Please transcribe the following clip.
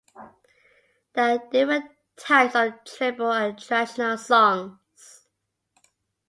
There are different types of tribal and traditional songs.